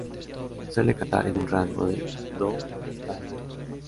Suelen cantar en un rango de "do" hasta un "do".